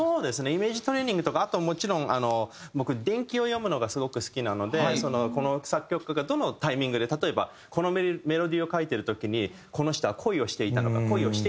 イメージトレーニングとかあともちろん僕伝記を読むのがすごく好きなのでこの作曲家がどのタイミングで例えばこのメロディーを書いてる時にこの人は恋をしていたのか恋をしていなかったのか。